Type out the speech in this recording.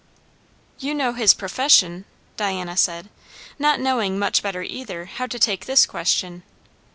"You know his profession?" Diana said, not knowing much better either how to take this question.